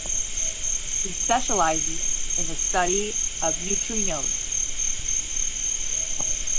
He specializes in the study of neutrinos.